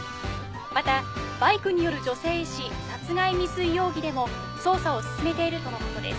「またバイクによる女性医師殺害未遂容疑でも捜査を進めているとの事です」